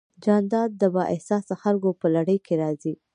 جانداد د بااحساسه خلکو په لړ کې راځي.